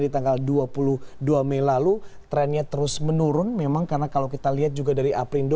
jadi tanggal dua puluh dua mei lalu trennya terus menurun memang karena kalau kita lihat juga dari aprindo